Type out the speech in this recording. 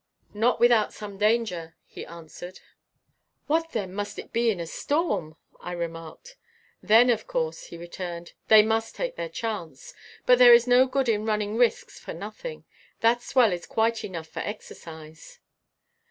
"Not without some danger," he answered. "What, then, must it be in a storm!" I remarked. "Then of course," he returned, "they must take their chance. But there is no good in running risks for nothing. That swell is quite enough for exercise."